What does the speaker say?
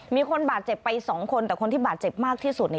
มีคนบาดเจ็บไป๒คนแต่คนที่บาดเจ็บมากที่สุด